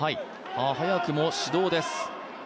早くも指導です。